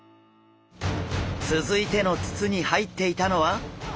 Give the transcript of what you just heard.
続いての筒に入っていたのは！